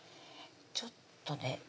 ちょっとね